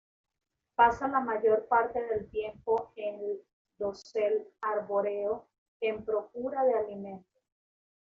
Pasa la mayor parte del tiempo en el dosel arbóreo en procura de alimento.